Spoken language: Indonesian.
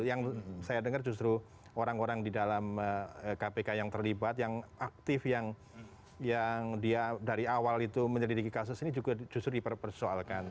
yang saya dengar justru orang orang di dalam kpk yang terlibat yang aktif yang dia dari awal itu menyelidiki kasus ini juga justru dipersoalkan